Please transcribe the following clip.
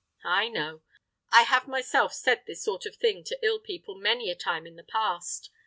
I know! I have myself said this sort of thing to ill people many a time in the past!